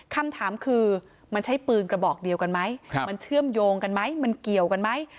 คำถามคือมันใช้ปืนกระบอกเดียวกันไหมมันเชื่อมโยงกันไหมมันเกี่ยวกันไหม